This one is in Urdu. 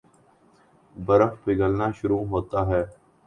برف پگھلنا شروع ہوتا ہے